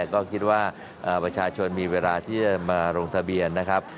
ก็คิดว่าประชาชนมีเวลาที่จะมาลงทะเบียนนะครับ